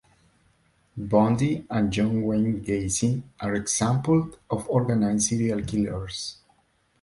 Bundy and John Wayne Gacy are examples of organized serial killers.